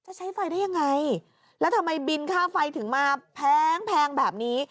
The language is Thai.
ใช้ไฟได้ยังไงแล้วทำไมบินค่าไฟถึงมาแพงแบบนี้